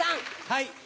はい。